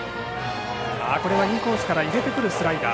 インコースから入れてくるスライダー。